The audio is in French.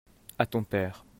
à ton père.